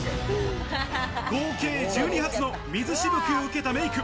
合計１２発の水しぶきを受けたメイク。